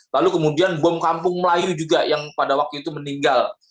lalu kemudian bom kampung melayu juga yang pada waktu itu meninggal